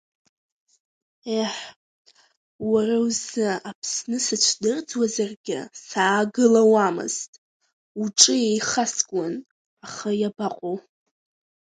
Еҳ, уара узы Аԥсны сыцәдырӡуазаргьы саагылауамызт, уҿы еихаскуан, аха иабаҟоу…